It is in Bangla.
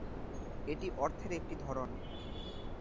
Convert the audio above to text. এটি অর্থের একটি ধরন।